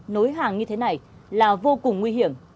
nối hàng như thế này là vô cùng nguy hiểm